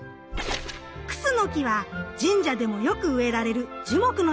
⁉クスノキは神社でもよく植えられる樹木の一つ。